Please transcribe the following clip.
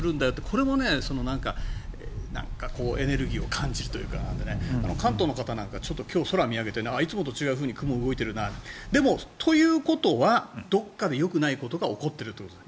これもエネルギーを感じるというか関東の方なんかは今日、空を見上げていつもと違うふうに雲が動いてるなって。ということはどこかでよくないことが起こっているということです。